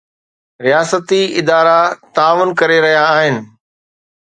رياستي ادارا تعاون ڪري رهيا آهن.